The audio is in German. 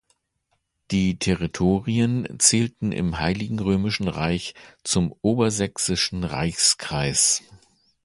Die Territorien zählten im Heiligen Römischen Reich zum Obersächsischen Reichskreis.